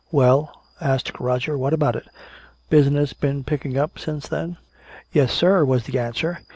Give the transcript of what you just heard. "Well," asked Roger, "what about it? Business been picking up any since then?" "Yes, sir!" was the answer.